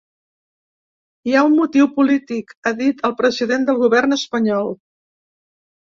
Hi ha un motiu polític, ha dit el president del govern espanyol.